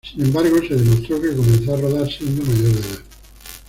Sin embargo se demostró que comenzó a rodar siendo mayor de edad.